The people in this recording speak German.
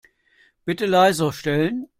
Bitte leiser stellen.